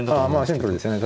シンプルですね